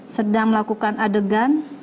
sedang melakukan adegan